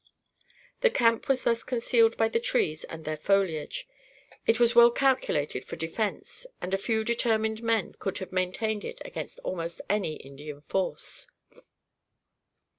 The camp was thus concealed by the trees and their foliage. It was well calculated for defence, and a few determined men could have maintained it against almost any Indian force.